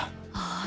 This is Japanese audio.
ああ